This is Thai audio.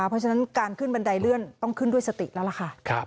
เพราะฉะนั้นการขึ้นบันไดเลื่อนต้องขึ้นด้วยสติแล้วล่ะค่ะ